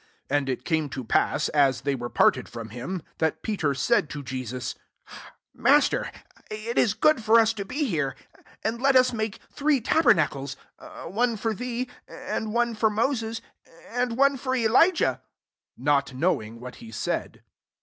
33 And it came to pass, as they were parted from him, that Peter said to Jesus " Mas ter* it is good for us to be here : and let us make three taberna cles; one for thee, and one for Moses, and one for Elijah :" not knowing what he said.